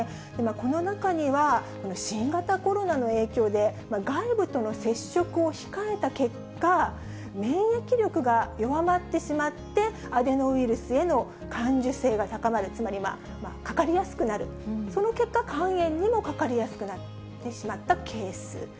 この中には、新型コロナの影響で、外部との接触を控えた結果、免疫力が弱まってしまって、アデノウイルスへの感受性が高まる、つまりかかりやすくなる、その結果、肝炎にもかかりやすくなってしまったケース。